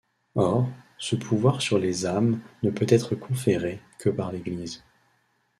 Or, ce pouvoir sur les âmes ne peut être conféré que par l'Église.